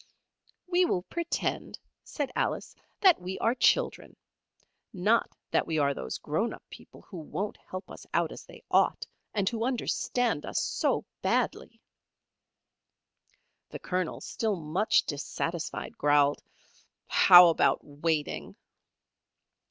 "We will pretend," said Alice, "that we are children; not that we are those grown up people who won't help us out as they ought, and who understand us so badly." The Colonel, still much dissatisfied, growled, "How about waiting?"